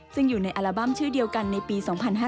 ซึ่งอยู่ในอัลบั้มชื่อเดียวกันในปี๒๕๕๙